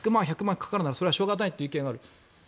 かかるならそれはしょうがないという意見がある。